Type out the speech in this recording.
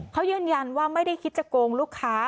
เขายืนยันว่าไม่ได้คิดจะโกงลูกค้า